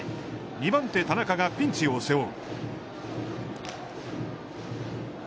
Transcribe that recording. ２番手・田中がピンチを背負う。